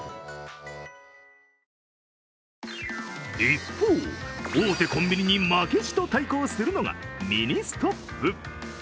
一方、大手コンビニに負けじと対抗するのがミニストップ。